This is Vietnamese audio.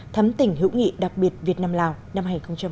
thắm tỉnh hữu nghị đặc biệt việt nam lào năm hai nghìn một mươi chín